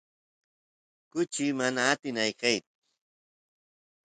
kuchu mana atin ayqeyt